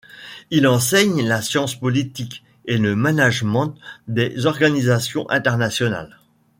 Il enseigne la science politique et le management des organisations internationales.